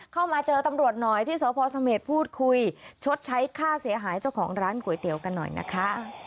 เข้ามาเจอตำรวจหน่อยที่สพสเมษพูดคุยชดใช้ค่าเสียหายเจ้าของร้านก๋วยเตี๋ยวกันหน่อยนะคะ